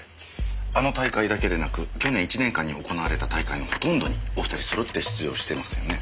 あの大会だけでなく去年１年間に行われた大会のほとんどにお二人揃って出場していますよね。